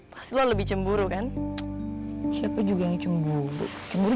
pasti lebih cemburu kan siapa juga yang cemburu